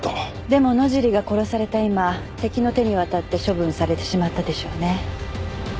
でも野尻が殺された今敵の手に渡って処分されてしまったでしょうね。